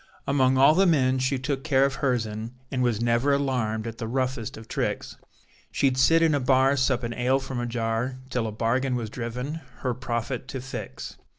Among all the men she took care of her sen and was never alarmed at the roughest of tricks, She'd sit in a bar suppin' ale from a jar, till a bargain was driven, her profit to fix.